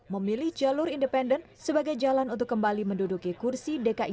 memilih jalur independen sebagai jalan untuk kembali menduduki kursi dki satu